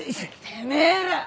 てめえら！